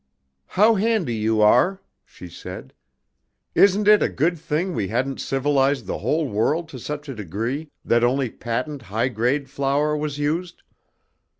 "How handy you are!" she said. "Isn't it a good thing we hadn't civilized the whole world to such a degree that only patent high grade flour was used?